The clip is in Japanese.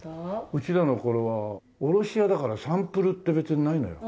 うちらの頃は卸屋だからサンプルって別にないのよ。